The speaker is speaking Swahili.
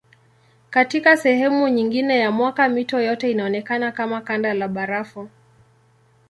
Katika sehemu nyingine ya mwaka mito yote inaonekana kama kanda la barafu.